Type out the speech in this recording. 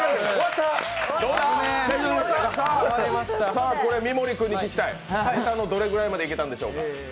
さあこれ、三森君に聞きたい、ネタのどのぐらいまでできたんでしょうか。